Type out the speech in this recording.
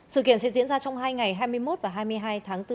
sự kiện sẽ diễn ra trong hai ngày hai mươi một và hai mươi hai tháng bốn